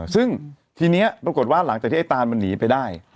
ซึ่งทีนี้ปรากฏว่าหลังจากที่ไอ้ตานมันหนีไปได้